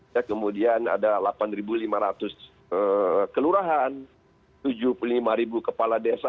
ya kemudian ada delapan lima ratus kelurahan tujuh puluh lima kepala desa